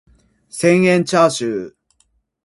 千円チャーシュー